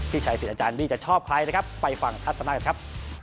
ชัยสิทธิ์อาจารย์บี้จะชอบใครนะครับไปฟังทัศนากันครับ